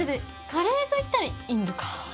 カレーといったらインドか。